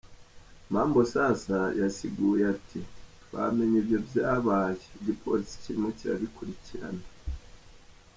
Mambosasa yasiguye ati:"Twamenye ivyo vyabaye, igipolisi kiriko kirabikurikirana.